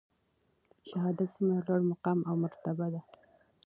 شهادت څومره لوړ مقام او مرتبه ده؟